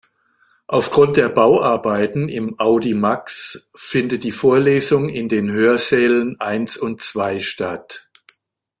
Aufgrund der Bauarbeiten im Audimax findet die Vorlesung in den Hörsälen eins und zwei statt.